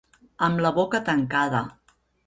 Amb la boca tancada.